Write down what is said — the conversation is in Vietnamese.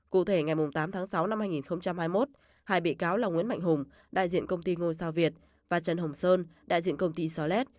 cụ thể ngày tám tháng sáu năm hai nghìn hai mươi một hai bị cáo là nguyễn mạnh hùng đại diện công ty ngôi sao việt và trần hồng sơn đại diện công ty solet